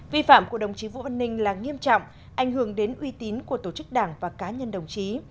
vi phạm của đồng chí vũ văn ninh là nghiêm trọng ảnh hưởng đến uy tín của tổ chức đảng và cá nhân đồng chí